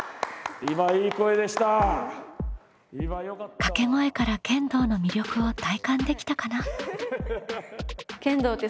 掛け声から剣道の魅力を体感できたかな？